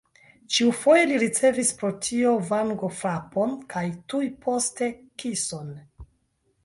Ĉiufoje li ricevis pro tio vangofrapon kaj tuj poste kison.